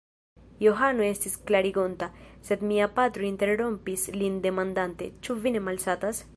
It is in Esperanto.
Johano estis klarigonta, sed mia patro interrompis lin demandante: Ĉu vi ne malsatas?